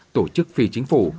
tổ chức phi chính phủ